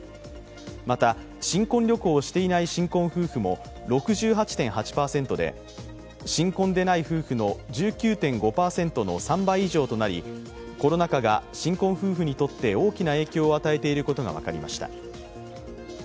また新婚旅行をしていない新婚夫婦も６８．８％で新婚でない夫婦の１９．５％の３倍以上となり、コロナ禍が新婚夫婦にとって大きな影響を与えていることが分かりました。